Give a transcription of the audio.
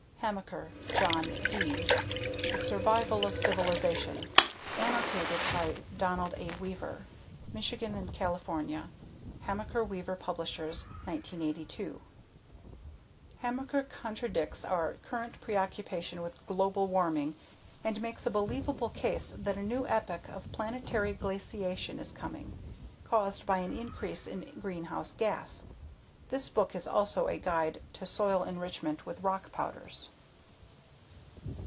Hamaker, John. D. The Survival of Civilization. Annotated by Donald A. Weaver. Michigan/California: Hamaker Weaver Publishers, 1982. Hamaker contradicts our current preoccupation with global warming and makes a believable case that a new epoch of planetary glaciation is coming, caused by an increase in greenhouse gas. The book is also a guide to soil enrichment with rock powders.